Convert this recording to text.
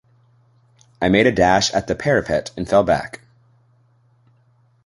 I made a dash at the parapet and fell back.